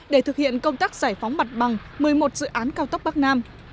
để thực hiện công tác giải phóng mặt bằng một mươi một dự án cao tốc bắc nam